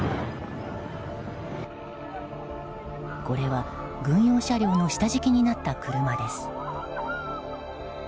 これは軍用車両の下敷きになった車です。